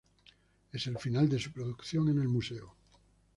Es el final de su producción en el museo.